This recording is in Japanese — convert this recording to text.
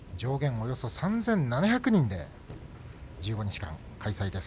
およそ３７００人で１５日間、開催です。